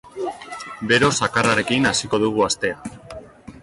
Bero zakarrarekin hasiko dugu astea.